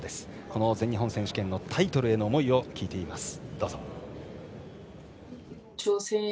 この全日本選手権のタイトルへの思いを聞いています。